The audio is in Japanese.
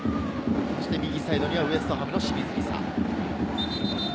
右サイドにはウェストハムの清水梨紗。